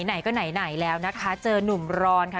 ไหนก็ไหนแล้วนะคะเจอนุ่มร้อนค่ะ